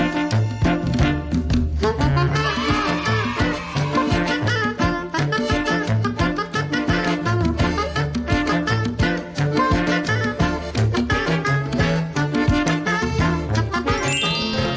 โปรดติดตามตอนต่อไป